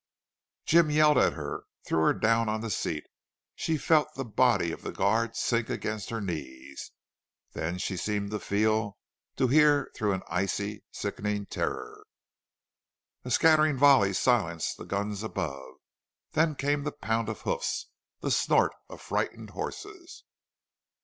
Jim yelled at her threw her down on the seat. She felt the body of the guard sink against her knees. Then she seemed to feel, to hear through an icy, sickening terror. A scattering volley silenced the guns above. Then came the pound of hoofs, the snort of frightened horses.